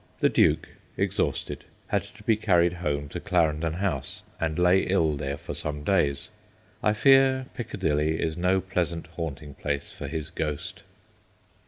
The Duke, exhausted, had to be carried home to Clarendon House, and lay ill there for some days. I fear Piccadilly is no pleasant haunting place for his ghost.